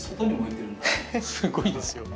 すごいですよ。